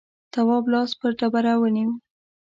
تواب لاس پر ډبره ونيو.